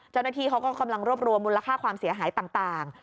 เจ้าหน้าที่เขาก็กำลังรวบรวมมูลค่าความเสียหายต่าง